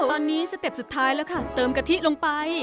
ตอนนี้สเต็ปสุดท้ายแล้วค่ะเติมกะทิลงไป